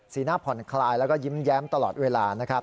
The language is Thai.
หน้าผ่อนคลายแล้วก็ยิ้มแย้มตลอดเวลานะครับ